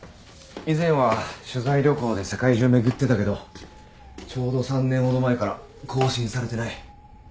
以前は取材旅行で世界中巡ってたけどちょうど３年ほど前から更新されてない。